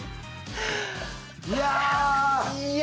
いや！